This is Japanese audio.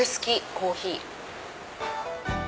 コーヒー。